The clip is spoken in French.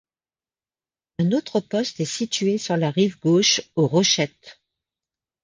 Un autre poste est situé sur la rive gauche, aux Rochettes.